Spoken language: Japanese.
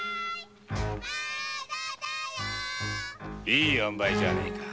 いいあんばいじゃねぇか。